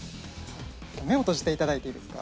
目を閉じていただいていいですか？